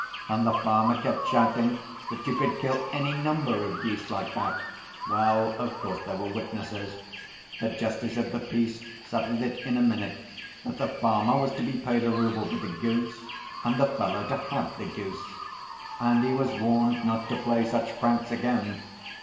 And the farmer kept shouting that you could kill any number of geese like that. Well, of course, there were witnesses. The justice of the peace settled it in a minute, that the farmer was to be paid a rouble for the goose, and the fellow to have the goose. And he was warned not to play such pranks again.